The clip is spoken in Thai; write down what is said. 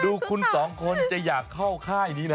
ดูคุณสองคนจะอยากเข้าค่ายนี้นะ